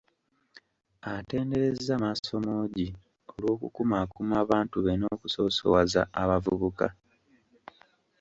Atenderezza Maasomoogi olw'okukumaakuma abantu be n'okusosowaza abavubuka.